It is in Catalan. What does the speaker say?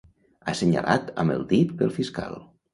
Assenyalat amb el dit pel fiscal.